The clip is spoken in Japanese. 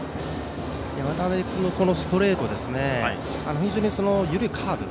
渡辺君のストレート緩いカーブ